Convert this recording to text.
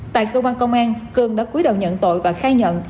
tại cơ quan công an cường đã cuối đầu nhận tội và khai nhận